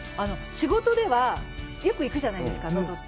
仕事では、よく行くじゃないですか、能登って。